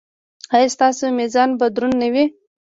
ایا ستاسو میزان به دروند نه وي؟